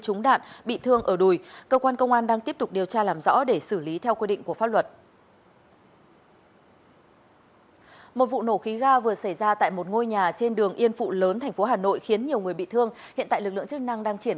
trúng đạn bị thương ở đùi cơ quan công an đang tiếp tục điều tra làm rõ để xử lý theo quy định của pháp luật